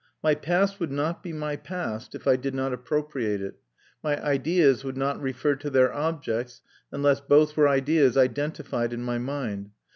My past would not be my past if I did not appropriate it; my ideas would not refer to their objects unless both were ideas identified in my mind.